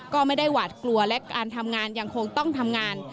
ก็ไม่ได้หวาดกลัวและการทำงานยังคงต้องทำงาน